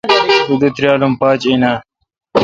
تو دی تریال ام پاچ این آں?